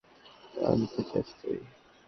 জানতে চাস তুই?